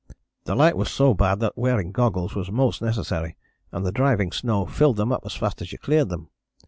The light was so bad that wearing goggles was most necessary, and the driving snow filled them up as fast as you cleared them.